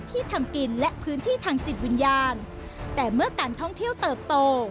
ที่ทำกินและพื้นที่ทางจิตวิญญาณแต่เมื่อการท่องเที่ยวเติบโต